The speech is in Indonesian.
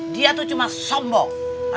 dia tuh cuma sombong